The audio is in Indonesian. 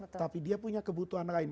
tetapi dia punya kebutuhan lain